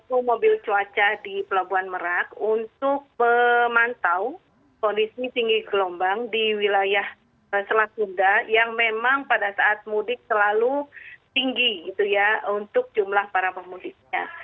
kita memiliki kondisi tinggi gelombang di wilayah selat sunda yang memang pada saat mudik selalu tinggi untuk jumlah para pemudiknya